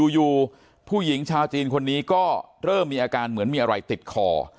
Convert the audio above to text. อยู่ผู้หญิงชาวจีนคนนี้ก็เริ่มมีอาการเหมือนมีอะไรติดคอ